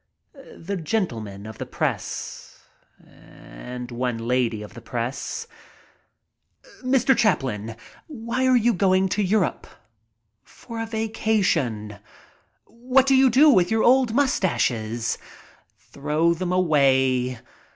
The gentlemen of the press. And one lady of the press. « MY TRIP ABROAD "Mr. Chaplin, why are you going to Europe?" "For a vacation." "What do you do with your old mustaches?" "Throw them away."